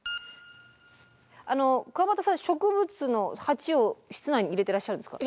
あのくわばたさん植物の鉢を室内に入れてらっしゃるんですか？